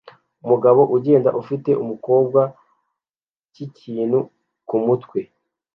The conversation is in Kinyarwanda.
Umugabo ugenda afite umukobwa cyikintu kumutwe